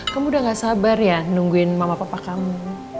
kamu udah gak sabar ya nungguin mama papa kamu